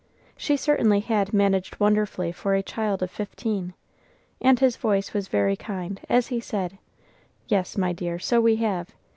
She certainly had managed wonderfully for a child of fifteen, and his voice was very kind as he said, "Yes, my dear, so we have.